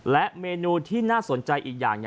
และเมนูที่น่าสนใจอีกอย่าง